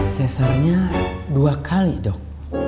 sesarnya dua kali dok